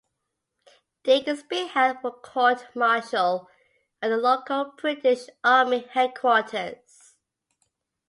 Dick is being held for court martial at the local British Army headquarters.